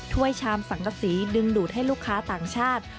ชามสังกษีดึงดูดให้ลูกค้าต่างชาติ